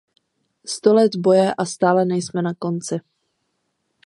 Sto let boje a stále nejsme na konci.